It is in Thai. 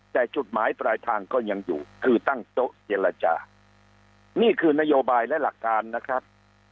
แต่จุดหมายปลายทางก็ยังอยู่คือตั้งโต๊ะเจรจานี่คือนโยบายและหลักการนะครับ